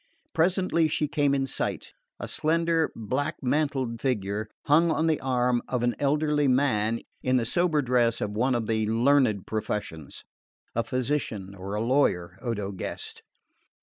Presently she came in sight: a slender black mantled figure hung on the arm of an elderly man in the sober dress of one of the learned professions a physician or a lawyer, Odo guessed.